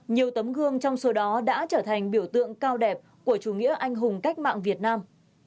nhiều tấm gương trong số đó đã trở thành biểu tượng cao đẹp của chủ nghĩa anh hùng cách mạng việt nam